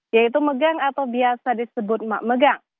yaitu megang atau biasa disebut mak megang